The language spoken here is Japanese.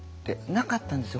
なかったんですよ